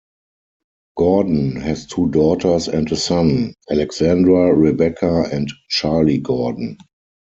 Gordon has two daughters and a son, Alexandra, Rebecca, and Charlie Gordon.